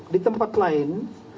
di tempat lain